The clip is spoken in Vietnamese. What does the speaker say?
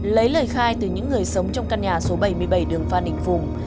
lấy lời khai từ những người sống trong căn nhà số bảy mươi bảy đường phan đình phùng